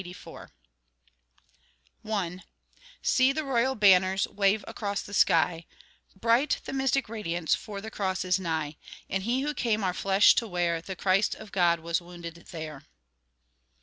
I See the Royal banners Wave across the sky, Bright the mystic radiance, For the Cross is nigh; And He who came our flesh to wear, The Christ of God, was wounded there.